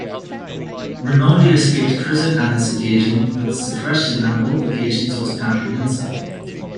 Raimondi escaped prison on this occasion, but the suppression on both occasions was comprehensive.